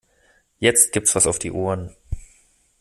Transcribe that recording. Jetzt gibt's was auf die Ohren.